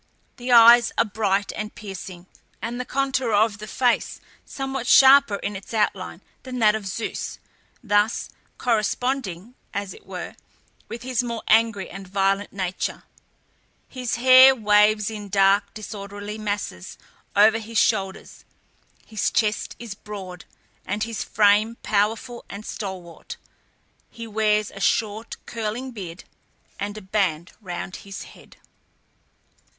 The eyes are bright and piercing, and the contour of the face somewhat sharper in its outline than that of Zeus, thus corresponding, as it were, with his more angry and violent nature. His hair waves in dark, disorderly masses over his shoulders; his chest is broad, and his frame powerful and stalwart; he wears a short, curling beard, and a band round his head.